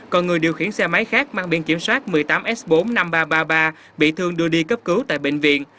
còn người điều khiển xe máy khác mang biên kiểm soát một mươi tám s bốn năm nghìn ba trăm ba mươi ba bị thương đưa đi cấp cứu tại bệnh viện